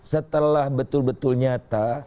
setelah betul betul nyata